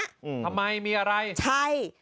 ทำไมมีอะไรใช่